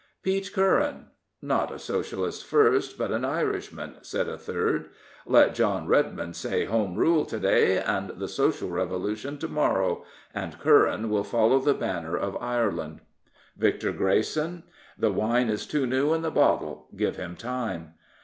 Pete Curran? "Not a Socialist first, but an Irishman," said a third. " Let John Redmond say 'Home Rule to day; the Social Revolution to morrow,' and Curran would follow the banner of Ireland." Victor Grayson? "The wine is too new in the bottle; give him time."